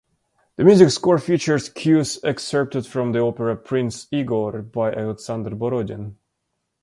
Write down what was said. The music score features cues excerpted from the opera "Prince Igor" by Alexander Borodin.